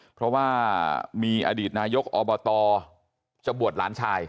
เพราะว่ามีอดีตนายกอบตจะบวชหลานชาย